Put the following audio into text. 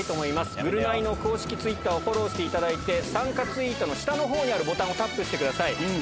ぐるナイの公式ツイッターをフォローしていただいて、参加ツイートの下のほうにあるボタンをタップしてください。＃